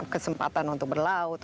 kesempatan untuk berlaut